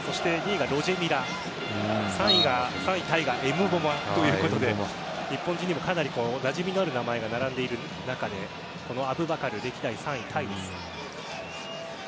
２位がロジェ・ミラ３位タイがエムボマということで日本人にもかなりなじみのある名前が並ぶ中でこのアブバカル歴代３位タイです。